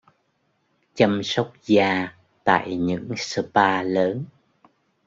Chăm sóc da tại những spa lớn